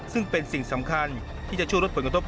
ซึ่งเป็นสิ่งสำคัญที่จะช่วยลดผลกระทบ